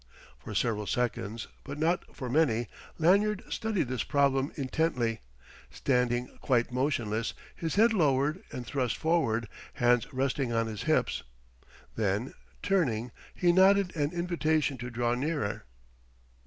For several seconds but not for many Lanyard studied this problem intently, standing quite motionless, his head lowered and thrust forward, hands resting on his hips. Then turning, he nodded an invitation to draw nearer.